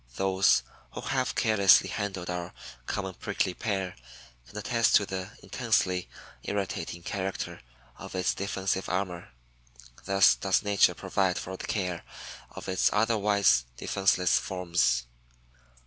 Those who have carelessly handled our common Prickly Pear can attest to the intensely irritating character of its defensive armor. Thus does nature provide for the care of its otherwise defenseless forms.